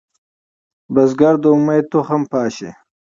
بزګر د امید تخم شیندي